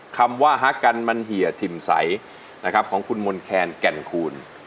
คำว่าฮักกันมันเหี่ยถิ่มใสนะครับของคุณมนต์แคนแก่นคูณ